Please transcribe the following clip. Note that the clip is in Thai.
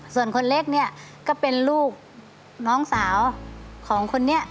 ส่วนคนเล็กเนี่ยก็เป็นลูกน้องสาวของคนนี้